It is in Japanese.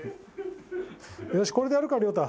よしこれでやるか亮太。